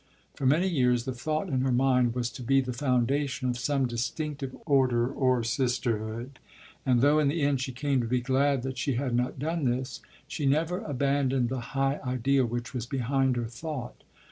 For many years the thought in her mind was to be the foundation of some distinctive order or sisterhood; and though in the end she came to be glad that she had not done this, she never abandoned the high ideal which was behind her thought.